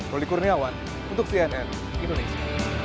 ruli kurniawan untuk cnn indonesia